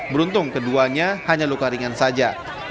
beruntung keduanya hanya luka ringan saja